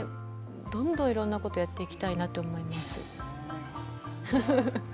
どんどんいろんなことをやっていきたいと思っています。